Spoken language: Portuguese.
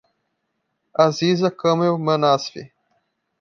Aziza Kamel Manasfi